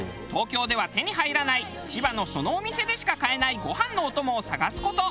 東京では手に入らない千葉のそのお店でしか買えないご飯のお供を探す事。